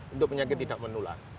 untuk penyakit tidak menular